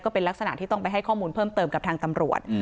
เป็นลักษณะที่ต้องไปให้ข้อมูลเพิ่มเติมกับทางตำรวจ